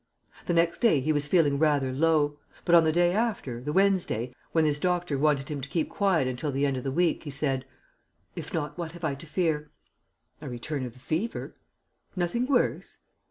The next day he was feeling rather low. But on the day after, the Wednesday, when his doctor wanted him to keep quiet until the end of the week, he said: "If not, what have I to fear?" "A return of the fever." "Nothing worse?"